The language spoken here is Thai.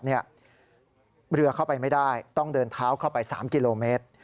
เรือเข้าไปไม่ได้ต้องเดินเท้าเข้าไป๓กิโลเมตร